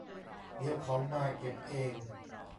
เดี๋ยวเขามาเก็บเอง